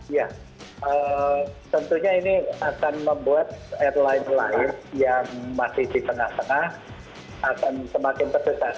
ya tentunya ini akan membuat airline lain yang masih di tengah tengah akan semakin terdesak